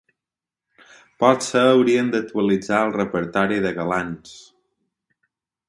Potser haurien d'actualitzar el repertori de galants.